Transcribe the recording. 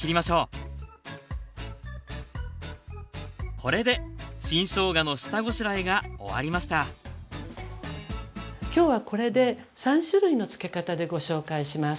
これで新しょうがの下ごしらえが終わりました今日はこれで３種類の漬け方でご紹介します。